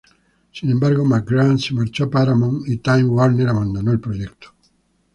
Sin embargo, McGrath se marchó a Paramount, y Time Warner abandonó el proyecto.